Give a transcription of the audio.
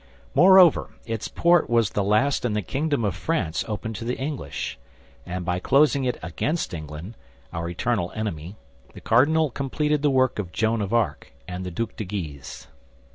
Moreover, its port was the last in the kingdom of France open to the English, and by closing it against England, our eternal enemy, the cardinal completed the work of Joan of Arc and the Duc de Guise.